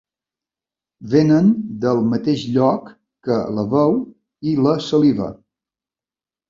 Vénen del mateix lloc que la veu i la saliva.